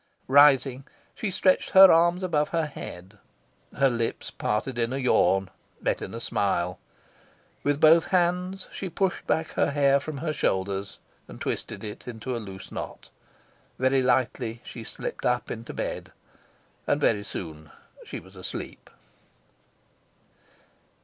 Rising, she stretched her arms above her head. Her lips parted in a yawn, met in a smile. With both hands she pushed back her hair from her shoulders, and twisted it into a loose knot. Very lightly she slipped up into bed, and very soon she was asleep.